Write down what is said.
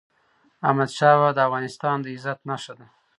احمدشاه بابا د افغانستان د عزت نښه ده.